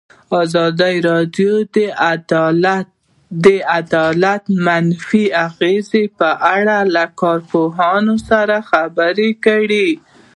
ازادي راډیو د عدالت د منفي اغېزو په اړه له کارپوهانو سره خبرې کړي.